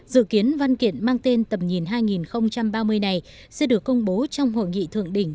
dự kiến văn kiện mang tên tầm nhìn hai nghìn ba mươi này sẽ được công bố trong hội nghị thượng đỉnh